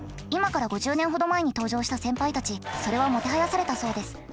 今から５０年ほど前に登場した先輩たちそれはもてはやされたそうです。